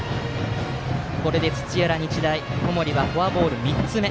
これで土浦日大、小森はフォアボール３つ目。